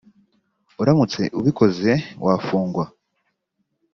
uramutse ubikoze wafungwa